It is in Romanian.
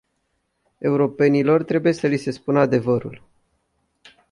Europenilor trebuie să li se spună adevărul.